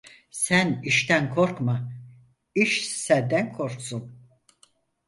Sen işten korkma, iş senden korksun.